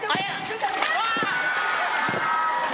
うわ！